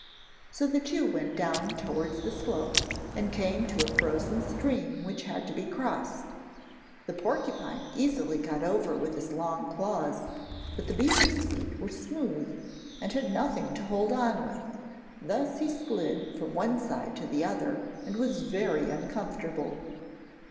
So the two went down towards the slope and came to a frozen stream which had to be crossed. The porcupine easily got over with his long claws, but the beaver's feet were smooth, and had nothing to hold on with, thus he slid from one side to the other and was very uncomfortable.